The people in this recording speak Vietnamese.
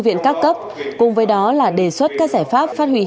và những vấn đề khác